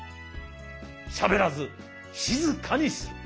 しゃべらずしずかにする。